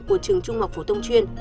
của trường trung học phổ thông chuyên